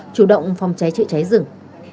chủ động phòng cháy chữa cháy rừng